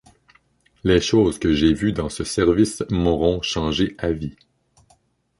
Les choses que j'ai vu dans ce service m'auront changé à vie.